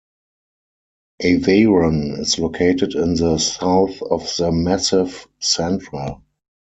Aveyron is located in the south of the Massif Central.